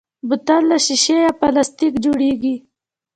بوتل له شیشې یا پلاستیک جوړېږي.